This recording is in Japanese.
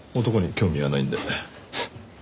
男に興味はないんで。